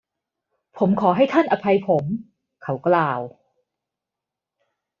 “ผมขอให้ท่านอภัยผม” เขากล่าว